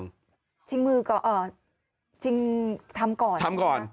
คือลงชิงมือก่อนชิงทำก่อน